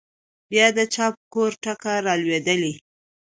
بيا د چا په کور ټکه رالوېدلې؟